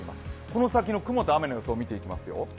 この先の雲と雨の予想を見ていきますよ。